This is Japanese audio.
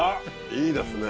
いいですね。